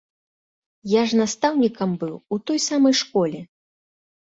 Я ж настаўнікам быў у той самай школе.